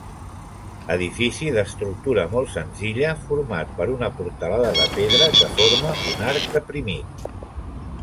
Edifici d'estructura molt senzilla, format per una portalada de pedra que forma un arc deprimit.